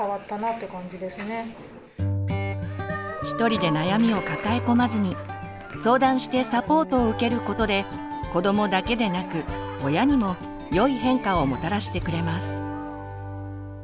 一人で悩みを抱え込まずに相談してサポートを受けることで子どもだけでなく親にも良い変化をもたらしてくれます。